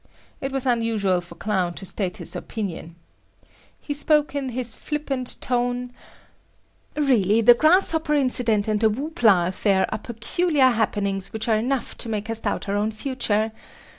It was unusual for Clown to state his opinion. He spoke in his flippant tone: "Really the grasshopper incident and the whoop la affair are peculiar happenings which are enough to make us doubt our own future.